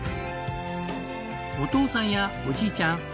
お父さんやおじいちゃん